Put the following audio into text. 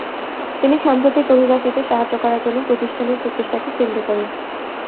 তিনি সাম্প্রতিক অভিবাসীদের সাহায্য করার জন্য প্রতিষ্ঠানের প্রচেষ্টাকে কেন্দ্র করে।